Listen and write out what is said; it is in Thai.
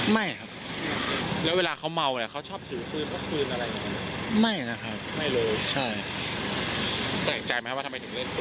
ไม่ล่ะครับเพราะ